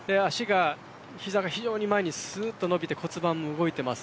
膝が前にすっと伸びて骨盤も動いています。